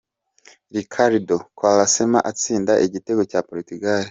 Ricardo Quaresma atsinda igitego cya Portugal .